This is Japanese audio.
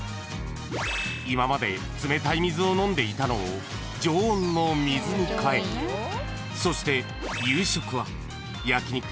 ［今まで冷たい水を飲んでいたのを常温の水にかえそして］